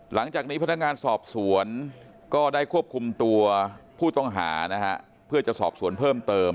หลังจากนี้พนักงานสอบสวนก็ได้ควบคุมตัวผู้ต้องหานะฮะเพื่อจะสอบสวนเพิ่มเติม